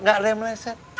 gak ada yang mereset